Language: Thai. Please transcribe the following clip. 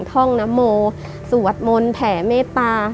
ท่องนโมสวดมนต์แผ่เมตตา